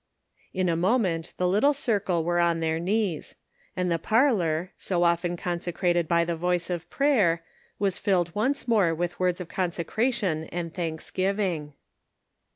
In a moment the little circle were on their knees ; and the parlor, so often consecrated by the voice of prayer, was filled once more with words of consecration and thanks giving.